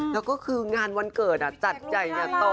แล้วก็คืองานวันเกิดจัดใหญ่โต